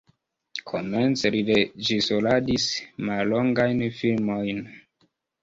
Komence li reĝisoradis mallongajn filmojn.